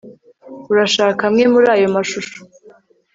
Urashaka amwe muri ayo mashusho